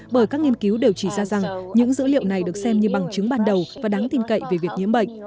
bởi các nghiên cứu đều chỉ ra rằng những dữ liệu này được xem như bằng chứng ban đầu và đáng tin cậy về việc nhiễm bệnh